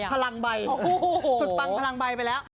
สุดปังพลังใบไปแล้ว